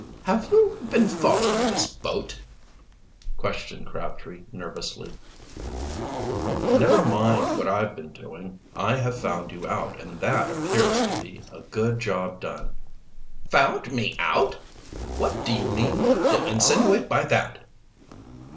"Have you been following this boat?" questioned Crabtree nervously. "Never mind what I've been doing. I have found you out, and that appears to be a good job done." "Found me out? What do you mean to insinuate by that?"